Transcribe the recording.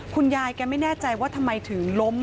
คุณยายแกไม่แน่ใจว่าทำไมถึงล้ม